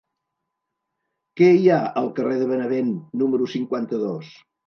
Què hi ha al carrer de Benavent número cinquanta-dos?